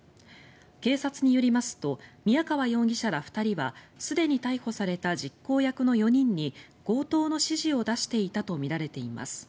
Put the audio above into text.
警察によりますと宮川容疑者ら２人はすでに逮捕された実行役の４人に強盗の指示を出していたとみられています。